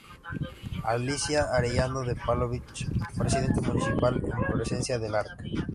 Alicia Arellano de Pavlovich, Presidente Municipal en presencia del Arq.